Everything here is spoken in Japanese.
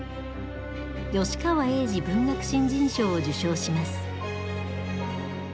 吉川英治文学新人賞を受賞します。